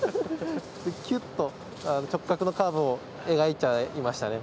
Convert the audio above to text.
キュッと直角のカーブを描いちゃいましたね。